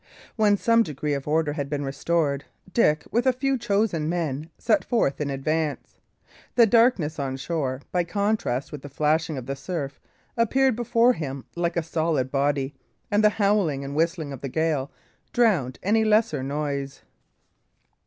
When some degree of order had been restored, Dick, with a few chosen men, set forth in advance. The darkness on shore, by contrast with the flashing of the surf, appeared before him like a solid body; and the howling and whistling of the gale drowned any lesser noise.